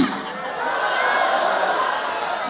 mereka ingin menggambarkan